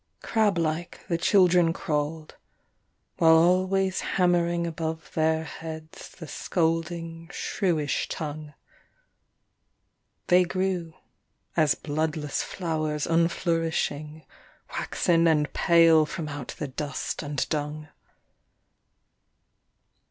Crab like the children crawled, while always hammering above their heads the scolding shrewish tongue ; They grew as bloodless flowers unflourishing, waxen and pale from out the dust and dung.